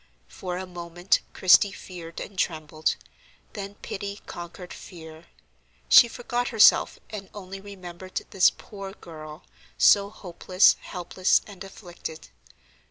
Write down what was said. For a moment Christie feared and trembled; then pity conquered fear. She forgot herself, and only remembered this poor girl, so hopeless, helpless, and afflicted.